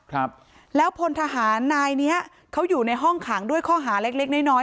ครับแล้วพลทหารนายเนี้ยเขาอยู่ในห้องขังด้วยข้อหาเล็กเล็กน้อยน้อย